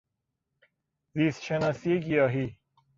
زیست شناسی گیاهی